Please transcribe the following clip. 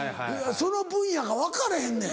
その分野が分からへんねん。